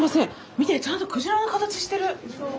見てちゃんと鯨の形してる。